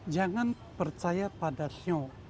jangan percaya pada shio